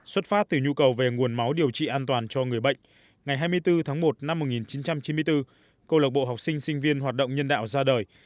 xuất phát từ nhu cầu về nguồn máu điều trị an toàn cho người bệnh ngày hai mươi bốn tháng một năm một nghìn chín trăm chín mươi bốn câu lạc bộ học sinh sinh viên hoạt động nhân đạo ra đời